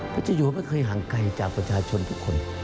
พระเจ้าอยู่ไม่เคยห่างไกลจากประชาชนทุกคน